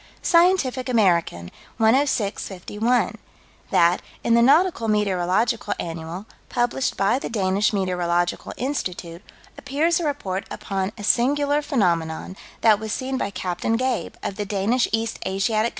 Scientific American, 106 51: That, in the Nautical Meteorological Annual, published by the Danish Meteorological Institute, appears a report upon a "singular phenomenon" that was seen by Capt. Gabe, of the Danish East Asiatic Co.'